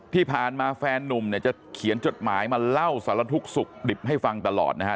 ที่ผ่านมาแฟนนุ่มเนี่ยจะเขียนจดหมายมาเล่าสารทุกข์สุขดิบให้ฟังตลอดนะฮะ